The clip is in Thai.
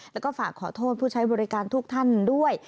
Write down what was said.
แล้วก็ฝากขอโทษผู้ใช้บริการทุกท่านด้วย